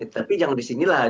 tapi jangan di sini lah